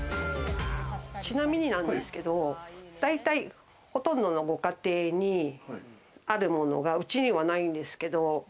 ちなみになんですけど、大体ほとんどのご家庭にあるものが家にはないんですけど。